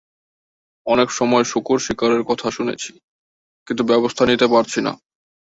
অনেক সময় শূকর শিকারের কথা শুনেছি, কিন্তু ব্যবস্থা নিতে পারছি না।